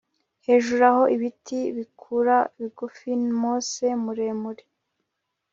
Hejuru aho ibiti bikura bigufi mose muremure